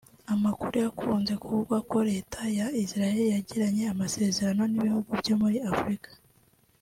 Amakuru yakunze kuvugwa ko leta ya Israel yagiranye amasezerano n’ibihugu byo muri Afurika